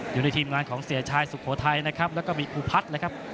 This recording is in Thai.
อยู่ในทีมงานของเสียชายสุโขทัยนะครับแล้วก็มีภูพัฒน์นะครับ